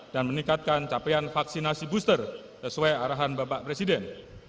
dan meningkatkan capaian vaksinasi booster sesuai arahan bapak presiden